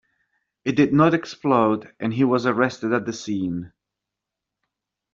It did not explode and he was arrested at the scene.